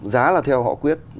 giá là theo họ quyết